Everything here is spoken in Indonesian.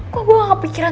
kok gue gak kepikiran